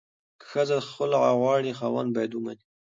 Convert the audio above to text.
که ښځه خلع غواړي، خاوند باید ومني.